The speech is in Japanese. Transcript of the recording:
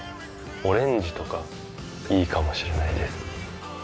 オレンジとかいいかもしれないです。